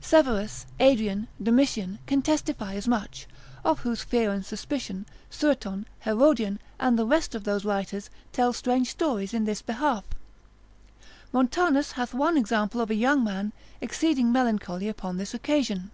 Severus, Adrian, Domitian, can testify as much, of whose fear and suspicion, Sueton, Herodian, and the rest of those writers, tell strange stories in this behalf. Montanus consil. 31. hath one example of a young man, exceeding melancholy upon this occasion.